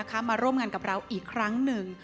เพราะฉะนั้นเราทำกันเนี่ย